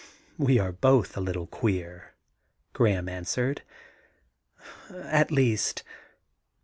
*We are both a little queer,' Graham answered. * At least